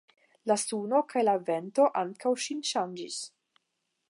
La suno kaj la vento ankaŭ ŝin ŝanĝis.